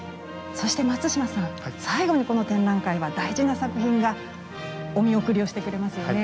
そして松嶋さん最後にこの展覧会は大事な作品がお見送りをしてくれますよね。